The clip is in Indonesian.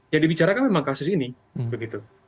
ya dibicarakan memang kasus ini begitu